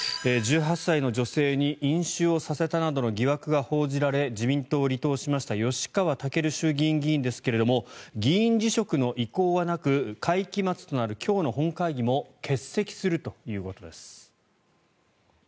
１８歳の女性に飲酒をさせたなどの疑惑が報じられ自民党を離党しました吉川赳衆議院議員ですが議員辞職の意向はなく会期末となる今日の本会議も欠席するということです。